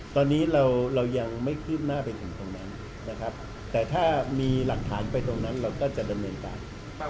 ตอนนี้เรายังไม่คืบหน้าไปถึงตรงนั้นนะครับแต่ถ้ามีหลักฐานไปตรงนั้นเราก็จะดำเนินการ